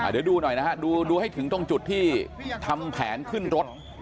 เดี๋ยวดูหน่อยนะฮะดูให้ถึงตรงจุดที่ทำแผนขึ้นรถ